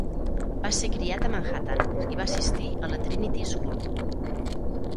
Va ser criat a Manhattan i va assistir a la Trinity School.